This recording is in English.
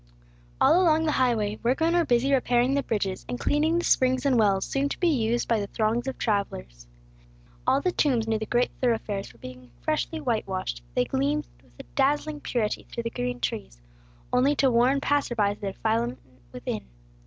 All along the highway, workmen were busy repairing the bridges, and cleaning the springs and wells, soon to be used by the throngs of travellers. All the tombs near the great thoroughfares were being freshly white washed; they gleamed with a dazzling purity through the green trees, only to warn passers by of the defilement within.